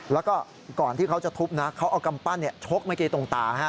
แล้วก็ก่อนที่เขาจะทุบนะเขาเอากำปั้นชกเมื่อกี้ตรงตา